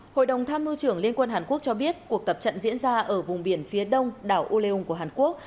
hội đồng tham mưu trưởng liên quân hàn quốc cho biết cuộc tập trận diễn ra ở vùng biển phía đông đảo ulyung của hàn quốc